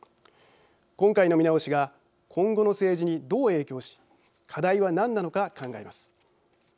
今回の見直しが今後の政治にどう影響し課題は何なのか考えます。